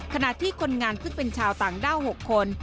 ขณะที่คนงานซึ่งเป็นชาวต่างด้าว๖คน